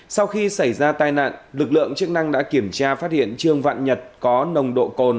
sau khi xảy ra tai nạn lực lượng chức năng đã kiểm tra phát hiện trương vạn nhật có nồng độ cồn